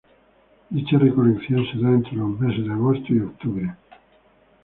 Dicha recolección se da entre los meses de agosto y octubre.